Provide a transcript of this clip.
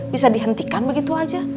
bisa dihentikan begitu aja